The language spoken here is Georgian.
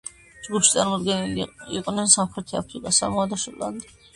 ჯგუფში წარმოდგენილნი იყვნენ სამხრეთი აფრიკა, სამოა და შოტლანდია.